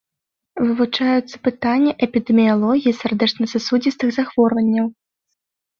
Вывучаюцца пытанні эпідэміялогіі сардэчна-сасудзістых захворванняў.